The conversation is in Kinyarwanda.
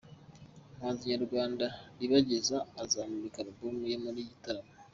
Umuhanzi nyarwanda Ribagiza azamurika Alubumu ye mu gitaramo